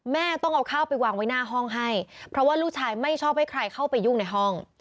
แม่ต้องเอาข้าวไปวางไว้หน้าห้องให้เพราะว่าลูกชายไม่ชอบให้ใครเข้าไปยุ่งในห้อง